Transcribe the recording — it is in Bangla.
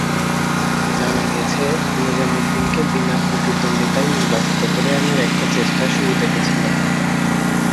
জানা গেছে, নেজামুদ্দিনকে বিনা প্রতিদ্বন্দ্বিতায় নির্বাচিত করে আনার একটা চেষ্টা শুরু থেকে ছিল।